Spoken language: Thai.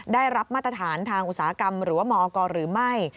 ได้รับมาตรฐานทางอุตสาหกรรมหรือว่ามกหรือไม่